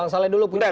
bang saleh dulu punya